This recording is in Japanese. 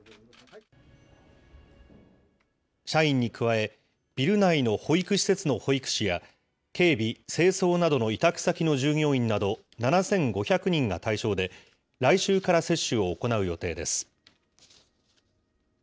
社員に加え、ビル内の保育施設の保育士や、警備・清掃などの委託先の従業員など７５００人が対象で、来週から接種を行う予定です。